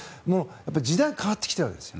時代は変わってきているわけです。